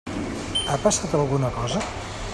Ha passat alguna cosa?